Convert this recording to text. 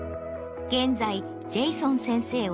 現在ジェイソン先生